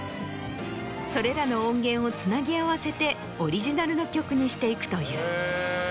それらの音源をつなぎ合わせてオリジナルの曲にしていくという。